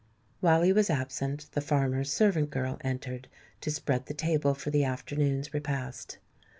While he was absent, the farmer's servant girl entered to spread the table for the afternoon's repast.